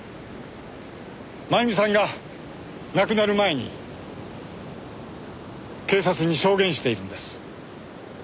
真由美さんが亡くなる前に警察に証言しているんです。